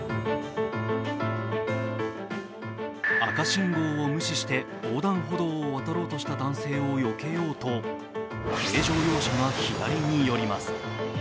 赤信号を無視して横断歩道を渡ろうとした男性をよけようと、軽乗用車が左に寄ります。